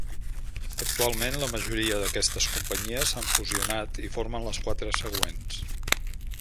Actualment, la majoria d'aquestes companyies s'han fusionat i formen les quatre següents.